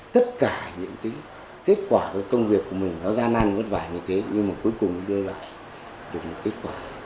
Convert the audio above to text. tất cả những cái kết quả của công việc của mình nó ra năn vất vả như thế nhưng mà cuối cùng đưa lại được một kết quả